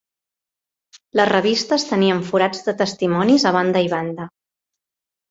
Les revistes tenien forats de testimonis a banda i banda.